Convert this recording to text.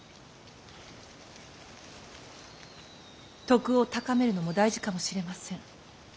徳を高めるのも大事かもしれません。